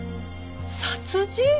殺人！？